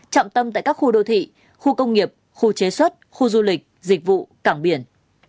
trọng tâm tại các khu đô thị khu công nghiệp khu chế xuất khu du lịch dịch vụ cảng biển